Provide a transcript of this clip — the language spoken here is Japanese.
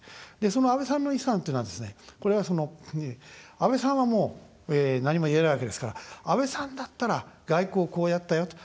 その安倍さんの遺産っていうのは安倍さんは、もう何も言えないわけですから安倍さんだったら外交こうやったよと。